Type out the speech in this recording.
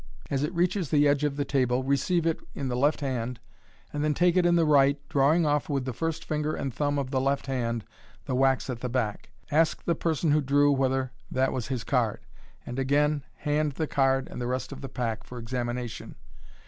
As it reaches the edge of the table, receive it in the left hand, and then take it in the right, drawing off with the first .finger and thumb of the left hand the wax at the back. Ask the person who drew whether that was his card, and again hand the card and the rest of the pack for examination.